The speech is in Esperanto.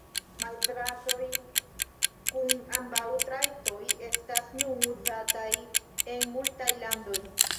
Maizrasoj kun ambaŭ trajtoj estas nun uzataj en multaj landoj.